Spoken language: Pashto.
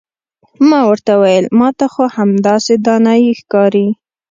ما ورته وویل ما ته خو همدایې دانایي ښکاري.